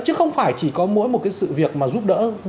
chứ không phải chỉ có mỗi một cái sự việc mà giúp đỡ